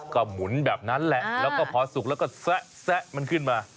ก็หมุนแบบนั้นแหละแล้วก็พอสุกแล้วก็แซะมันขึ้นมา